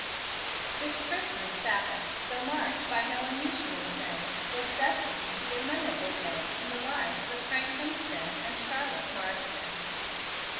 This Christmas Sabbath, though marked by no unusual event, was destined to be a memorable day in the lives of Frank Hemstead and Charlotte Marsden.